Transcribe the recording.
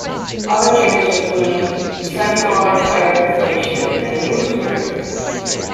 Other changes included centralized tire inflation and a new interior.